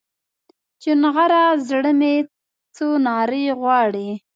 چونغره زړه مې څو نارې غواړي